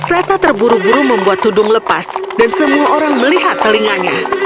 rasa terburu buru membuat tudung lepas dan semua orang melihat telinganya